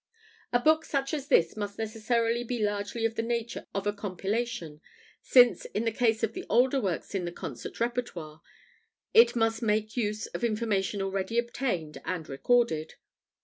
A book such as this must necessarily be largely of the nature of a compilation, since, in the case of the older works in the concert repertoire, it must make use of information already obtained and recorded.